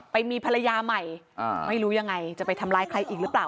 ไปมีภรรยาใหม่ไม่รู้ยังไงจะไปทำร้ายใครอีกหรือเปล่า